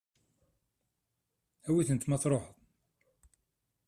Awit-tent ma tṛuḥem.